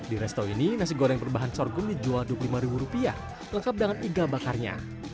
di resto ini nasi goreng berbahan sorghum dijual rp dua puluh lima lengkap dengan igal bakarnya